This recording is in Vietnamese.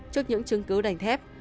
trước những chứng cứ đánh thép